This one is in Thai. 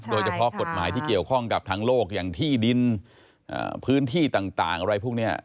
โดยเฉพาะกฎหมายที่เกี่ยวข้องกับทางโลกอย่างที่ดินพื้นที่ต่างอะไรพวกนี้